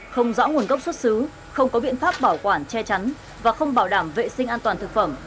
không rõ nguồn gốc xuất xứ không có biện pháp bảo quản che chắn và không bảo đảm vệ sinh an toàn thực phẩm